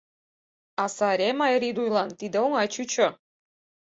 А Сааремаа Рийдулан тиде оҥай чучо.